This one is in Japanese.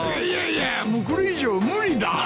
いやいやもうこれ以上無理だ。